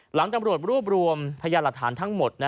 หลังจำรวจรอบรวมพยาหลักฐานทั้งหมด